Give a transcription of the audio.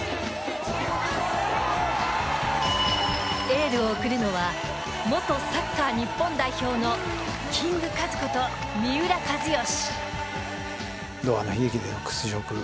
エールを送るのは元サッカー日本代表のキングカズこと三浦知良。